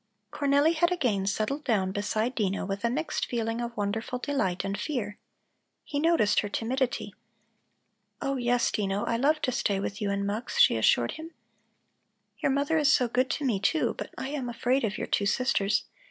Cornelli had again settled down beside Dino with a mixed feeling of wonderful delight and fear. He noticed her timidity. "Oh, yes, Dino, I love to stay with you and Mux," she assured him. "Your mother is so good to me, too, but I am afraid of your two sisters.